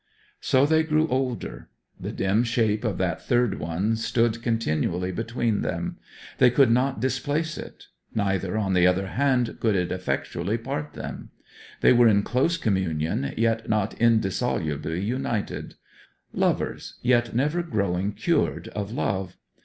So they grew older. The dim shape of that third one stood continually between them; they could not displace it; neither, on the other hand, could it effectually part them. They were in close communion, yet not indissolubly united; lovers, yet never growing cured of love.